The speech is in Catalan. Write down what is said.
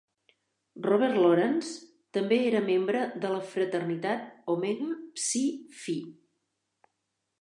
Robert Lawrence també era membre de la fraternitat Omega Psi Phi.